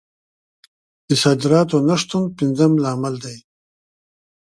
د صادراتو نه شتون پنځم لامل دی.